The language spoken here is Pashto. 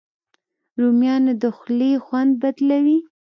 رومیان د خولې خوند بدلوي